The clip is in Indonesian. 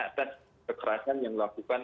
atas kekerasan yang dilakukan